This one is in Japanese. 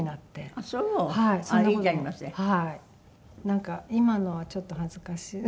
なんか今のはちょっと恥ずかしい。